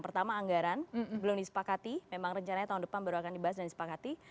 pertama anggaran belum disepakati memang rencananya tahun depan baru akan dibahas dan disepakati